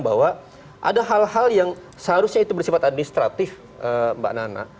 bahwa ada hal hal yang seharusnya itu bersifat administratif mbak nana